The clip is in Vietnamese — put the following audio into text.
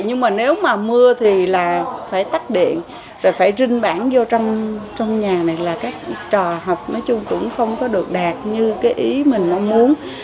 nhưng mà nếu mà mưa thì là phải tắt điện rồi phải rinh bảng vô trong nhà này là các trò học nói chung cũng không có được đạt như cái ý mình mong muốn